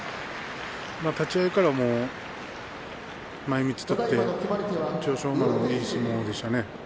立ち合いから前みつを取って千代翔馬のいい相撲でしたね。